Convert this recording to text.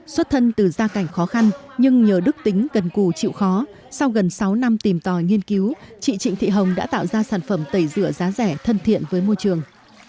xuất thân từ gia cảnh khó khăn nhưng nhờ đức tính cần cù chịu khó sau gần sáu năm tìm tòi nghiên cứu chị trịnh thị hồng đã tạo ra sản phẩm tẩy rửa giá rẻ thân thiện với môi trường